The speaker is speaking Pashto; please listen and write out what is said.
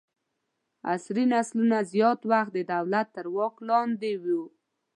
عصري نسلونه زیات وخت د دولت تر واک لاندې وو.